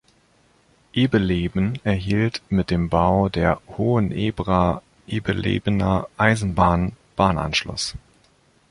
Ebeleben erhielt mit dem Bau der Hohenebra-Ebelebener Eisenbahn Bahnanschluss.